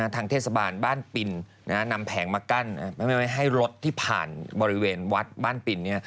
ทางเทศบาลบ้านปินนำแผงมากั้นไม่ไว้ให้รถที่ผ่านบริเวณวัดบ้านปิน